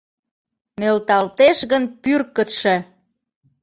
Нӧлталтеш гын пӱркытшӧ